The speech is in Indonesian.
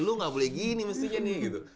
lu gak boleh gini mestinya nih gitu